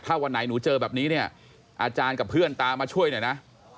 ถ้าวันไหนหนูเจอแบบนี้เนี่ยอาจารย์กับเพื่อนตามมาช่วยหน่อยนะ